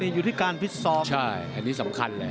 อยู่ที่การพิษซ้อมใช่อันนี้สำคัญเลย